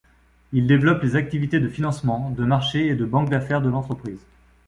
Il développe les activités de financement, de marché et de banque d’affaires de l'entreprise.